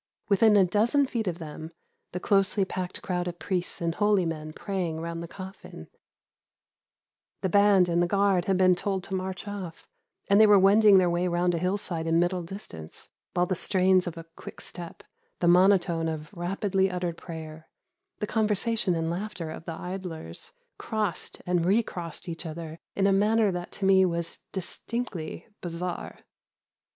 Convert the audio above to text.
Within a dozen feet of them, the closely packed crowd of priests and holy men praying round the coffin. The band and the guard had been told to march off, and they were wending their way round a hillside in middle distance; while the strains of a quick step, the monotone of rapidly uttered prayer, the conversation and laughter of the idlers, crossed and re crossed each other in a manner that to me was distinctly bizarre.